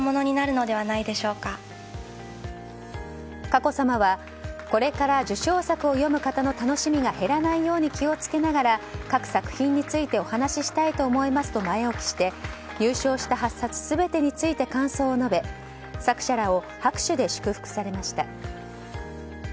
佳子さまは、これから受賞作を読む方の楽しみが減らないように気を付けながら各作品についてお話ししたいと思いますと前置きして入賞した８冊全てについて感想を述べ作者らを拍手で祝福されました。